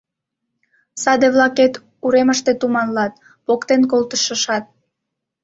Саде-влакет уремыште туманлат: поктен колтышаш.